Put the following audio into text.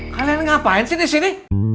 kalian ngapain sih disini